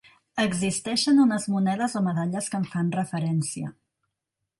Existeixen unes monedes o medalles que en fan referència.